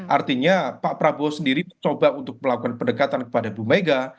artinya pak prabowo sendiri mencoba untuk melakukan pendekatan kepada bu mega